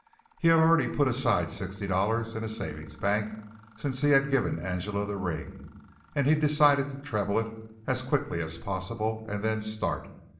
He had already put aside sixty dollars in a savings bank since he had given Angela the ring and he decided to treble it as quickly as possible and then start.